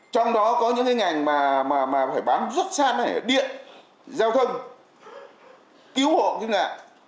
trong đó có những ngành mà phải bám rất sát nơi này điện giao thông cứu hộng những ngành